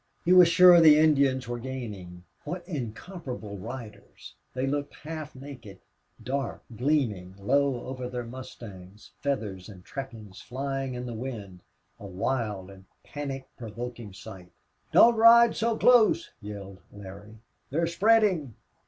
And he was sure the Indians were gaining. What incomparable riders! They looked half naked, dark, gleaming, low over their mustangs, feathers and trappings flying in the wind a wild and panic provoking sight. "Don't ride so close!" yelled Larry. "They're spreadin'!"